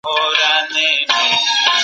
څېړونکي د اطلاعاتو له راټولولو وروسته څه کوي؟